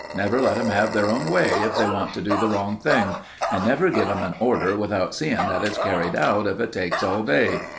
Never let 'em have their own way if they want to do the wrong thing, and never give 'em an order without seein' that it's carried out if it takes all day.